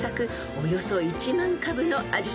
およそ１万株のアジサイ］